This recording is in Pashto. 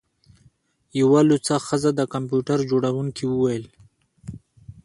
یوه لوڅه ښځه د کمپیوټر جوړونکي وویل